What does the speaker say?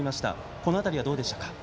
この辺りはどうでしたか。